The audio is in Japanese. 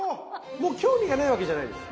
もう興味がないわけじゃないです。